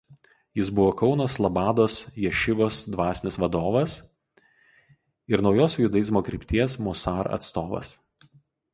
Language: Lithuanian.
Jis buvo Kauno Slabados ješivos dvasinis vadovas ir naujos judaizmo krypties „Musar“ atstovas.